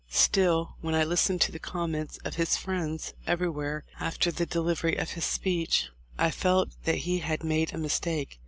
Still, when I listened to the comments of his friends everywhere after the de livery of his speech, I felt that he had made a mis take.